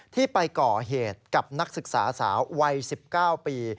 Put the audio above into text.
ที่ไปก่อเหตุกับนักศึกษาสาววัย๑๙ปี